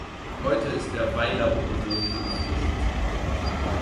Heute ist der Weiler unbewohnt und Naturschutzgebiet.